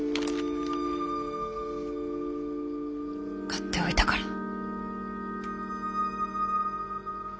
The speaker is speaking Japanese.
買っておいたから。来た。